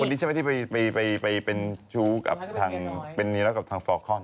นี้ใช่ไหมที่ไปเป็นชู้กับทางเป็นนิวแล้วกับทางฟอร์คอน